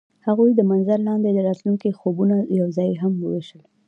هغوی د منظر لاندې د راتلونکي خوبونه یوځای هم وویشل.